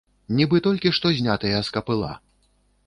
Нібы толькі што знятыя з капыла.